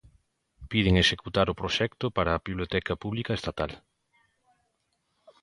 Piden executar o proxecto para a biblioteca pública estatal.